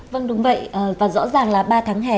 vâng đúng vậy và rõ ràng là ba tháng hè